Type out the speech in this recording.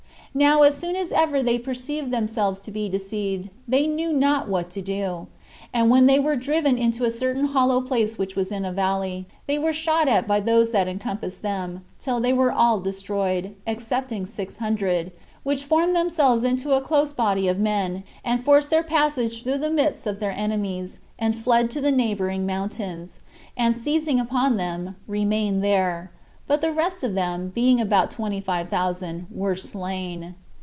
Now, as soon as ever they perceived themselves to be deceived, they knew not what to do; and when they were driven into a certain hollow place which was in a valley, they were shot at by those that encompassed them, till they were all destroyed, excepting six hundred, which formed themselves into a close body of men, and forced their passage through the midst of their enemies, and fled to the neighboring mountains, and, seizing upon them, remained there; but the rest of them, being about twenty five thousand, were slain.